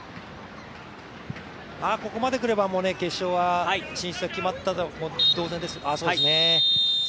ここまでくれば、決勝進出は決まったも同然ですね。